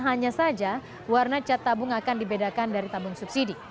hanya saja warna cat tabung akan dibedakan dari tabung subsidi